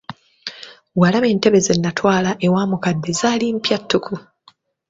Walaba entebe ze natwala ewa mukadde zaali mpya ttuku.